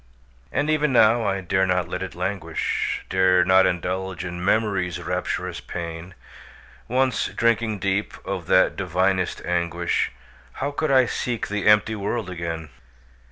And even now, I dare not let it languish, Dare not indulge in Memory's rapturous pain; Once drinking deep of that divinest anguish, How could I seek the empty world again?